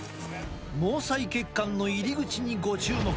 毛細血管の入り口にご注目。